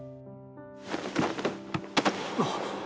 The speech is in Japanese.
あっ。